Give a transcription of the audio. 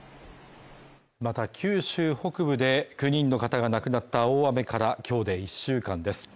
また九州北部で９人の方が亡くなった大雨から今日で１週間です。